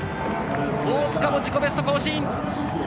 大塚も自己ベスト更新！